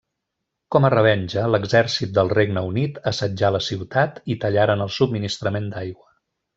Com a revenja, l'exèrcit del Regne Unit assetjà la ciutat i tallaren el subministrament d'aigua.